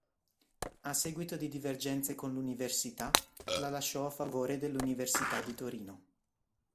A seguito di divergenze con l'università, la lasciò a favore dell'università di Torino.